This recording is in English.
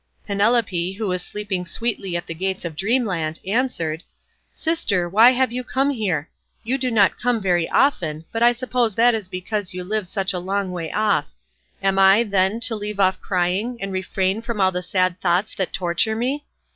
Penelope, who was sleeping sweetly at the gates of dreamland, answered, "Sister, why have you come here? You do not come very often, but I suppose that is because you live such a long way off. Am I, then, to leave off crying and refrain from all the sad thoughts that torture me?